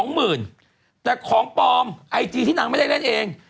หมื่นแต่ของปลอมไอจีที่นางไม่ได้เล่นเอง